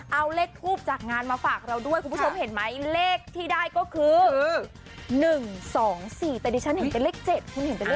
เอาเลขทูปจากงานมาฝากเราด้วยคุณผู้ชมเห็นไหมเลขที่ได้ก็คือ๑๒๔แต่ดิฉันเห็นเป็นเลข๗คุณเห็นเป็นเลข